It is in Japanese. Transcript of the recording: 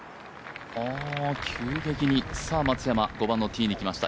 さあ松山５番のティーに来ました。